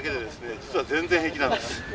実は全然平気なんです。